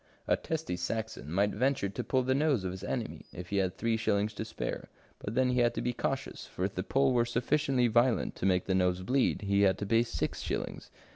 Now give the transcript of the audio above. A testy Saxon might venture to pull the nose of his enemy if he had three shillings to spare, but then he had to be cautious, for if the pull were sufficientiy violent to make the nose bleed, he had to pay six shillings.